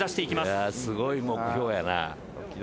すごい目標やな。